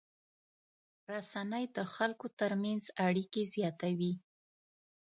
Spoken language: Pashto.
رسنۍ د خلکو تر منځ اړیکې زیاتوي.